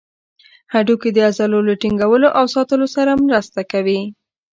هډوکي د عضلو له ټینګولو او ساتلو سره مرسته کوي.